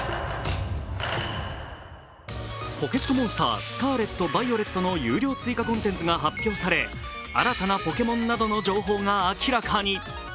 「ポケットモンスタースカーレット・バイオレット」の有料追加コンテンツが発表され新たなポケモンなどの情報が明らかに。